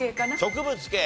植物系。